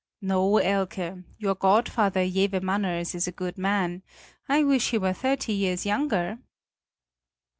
"No, Elke; your godfather, Jewe Manners, is a good man; I wish he were thirty years younger."